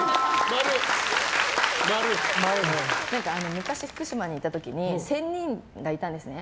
昔、福島にいた時に仙人がいたんですね。